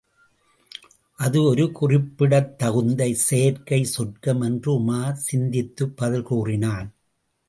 அது ஒரு குறிப்பிடத் தகுந்த செயற்கை சொர்க்கம் என்று உமார் சிந்தித்துப் பதில் கூறினான்.